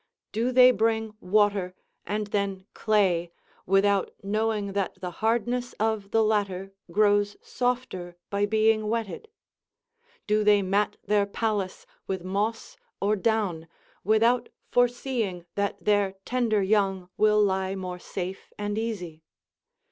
Do they bring water, and then clay, without knowing that the hardness of the latter grows softer by being wetted? Do they mat their palace with moss or down without foreseeing that their tender young will lie more safe and easy?